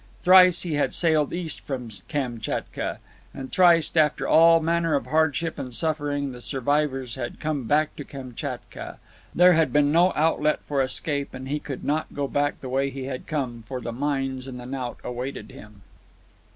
Thrice he had sailed east from Kamtchatka. And thrice, after all manner of hardship and suffering, the survivors had come back to Kamtchatka. There had been no outlet for escape, and he could not go back the way he had come, for the mines and the knout awaited him.